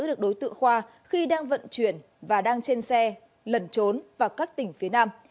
được đối tượng khoa khi đang vận chuyển và đang trên xe lẩn trốn vào các tỉnh phía nam